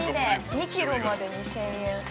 ◆２キロまで２０００円。